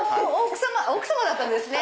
奥様だったんですね！